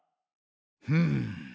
うん。